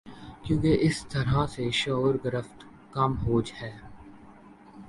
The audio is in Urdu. کیونکہ اس طرح سے شعور گرفت کم ہو ج ہے